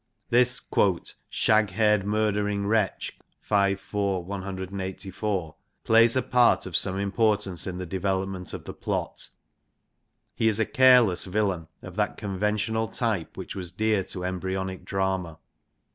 This shag haired murdering wretch' (V. iv. 184) plays a part of some importance in the development of the plot. He is a careless villain of that conventional type which was dear to embryonic drama.